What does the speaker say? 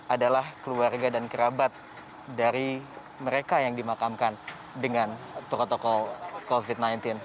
adalah keluarga dan kerabat dari mereka yang dimakamkan dengan protokol covid sembilan belas